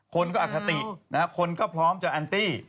คนก็อคติคนก็พร้อมจะแอนตี้